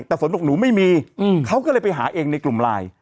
แต่ฝนบอกหนูไม่มีเขาก็เลยไปหาเองในกลุ่มไลน์